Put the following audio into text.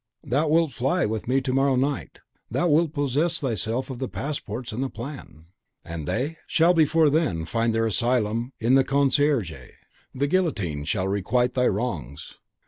Thou wilt fly with me to morrow night; thou wilt possess thyself of the passports and the plan." "And they " "Shall, before then, find their asylum in the Conciergerie. The guillotine shall requite thy wrongs."